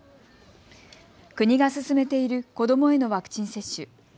国が進めている子どもへのワクチン接種。